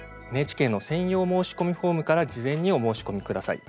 ＮＨＫの専用申し込みフォームから事前にお申し込みください。